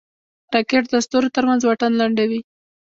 راکټ د ستورو ترمنځ واټن لنډوي